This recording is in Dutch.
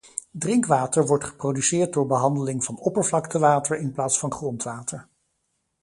Drinkwater wordt geproduceerd door behandeling van oppervlaktewater in plaats van grondwater.